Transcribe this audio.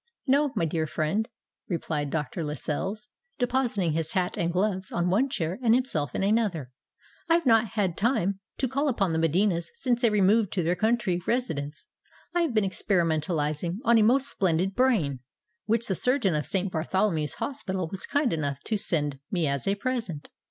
"No, my dear friend," replied Dr. Lascelles, depositing his hat and gloves on one chair and himself in another: "I have not had time to call upon the Medinas since they removed to their country residence. I have been experimentalising on a most splendid brain which the surgeon of St. Bartholomew's Hospital was kind enough to send me as a present.